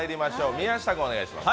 宮下君、お願いします。